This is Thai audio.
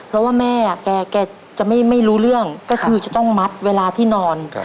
เพราะว่าแม่แกจะไม่รู้เรื่องก็คือจะต้องมัดเวลาที่นอน